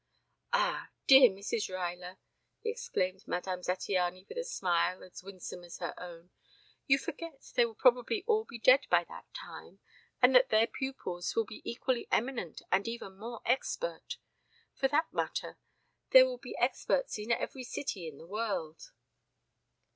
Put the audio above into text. "Ah, dear Mrs. Ruyler!" exclaimed Madame Zattiany with a smile as winsome as her own. "You forget they will probably all be dead by that time and that their pupils will be equally eminent and even more expert. For that matter there will be experts in every city in the world."